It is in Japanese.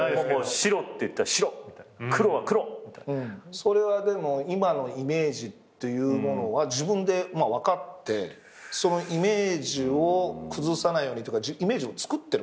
それはでも今のイメージというものは自分で分かってそのイメージを崩さないようにっていうかイメージをつくってるんですか？